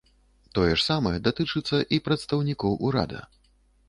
Тое ж самае датычыцца і прадстаўнікоў урада.